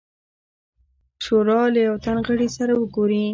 شورا له یوه تن غړي سره وګوري.